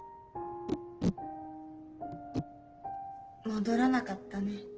戻らなかったね。